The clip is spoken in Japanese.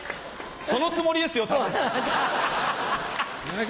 そのつもりですよ多分！